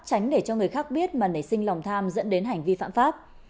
tránh để cho người khác biết mà nảy sinh lòng tham dẫn đến hành vi phạm pháp